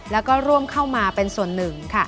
และร่วมเข้ามาเป็นส่วนหนึ่ง